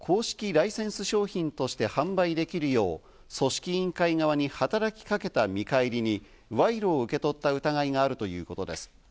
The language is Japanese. ライセンス商品として販売できるよう、組織委員会側に働きかけた見返りに賄賂を受け取った疑いがあるということです。